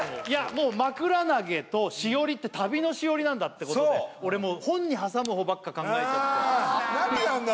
もうまくら投げとしおりって旅のしおりなんだってことでそう俺もう本に挟む方ばっか考えちゃって何あるの？